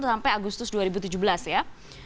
sampai agustus dua ribu tujuh belas ya